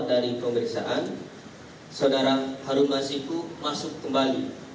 dari pemeriksaan saudara harun masiku masuk kembali